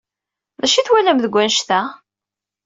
D acu ay twalam deg wanect-a?